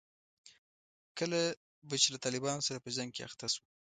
کله به چې له طالبانو سره په جنګ کې اخته شوو.